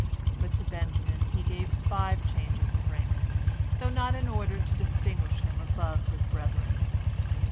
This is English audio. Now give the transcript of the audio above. But to Benjamin he gave five changes of raiment, though not in order to distinguish him above his brethren.